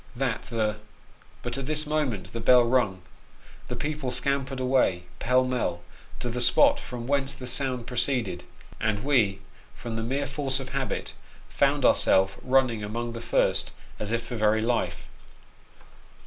That the but at this momment the bell rung ; the people scampered away, pell mell, to the spot from whence the sound proceeded ; and we, from the mere force of habit, found our self running among the first, as if for very life.